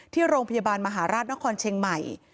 ที่โรงพยาบาลมหาราชนครเชียงใหม่